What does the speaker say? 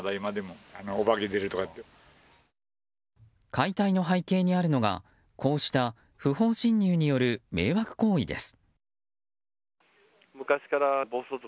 解体の背景にあるのがこうした不法侵入による迷惑行為です。